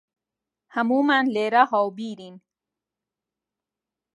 هەموومان لێرە هاوبیرین.